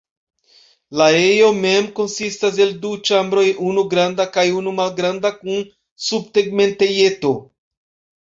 La ejo mem konsistas el du ĉambroj, unu granda kaj unu malgranda kun subtegmentejeto.